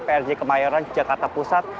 prj kemayoran jakarta pusat